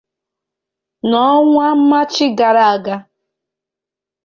N’ọnwa maachị gara aga